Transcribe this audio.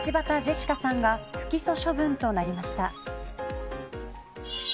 道端ジェシカさんが不起訴処分となりました。